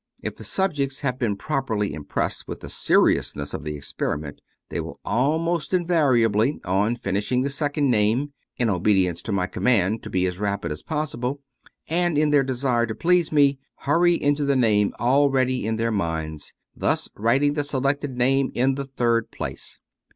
" If the sub jects have been properly impressed with the seriousness of the experiment, they will almost invariably, on finishing the second name (in obedience to my command "to be as rapid as possible," and in their desire to please me), hurry into the name already in their minds, thus writing the selected name in the tMrd place.